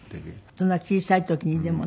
そんな小さい時にでもね。